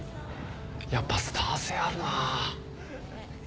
やっぱスター性あるなあ。